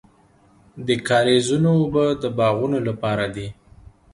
د کاریزونو اوبه د باغونو لپاره دي.